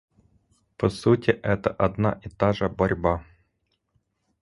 По сути, это одна и та же борьба.